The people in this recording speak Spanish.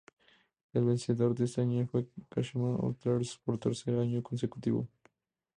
El vencedor de ese año fue Kashima Antlers, por tercer año consecutivo.